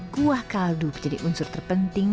kuah kaldu menjadi unsur terpenting